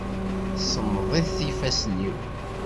Semmeḍit yifassen-iw.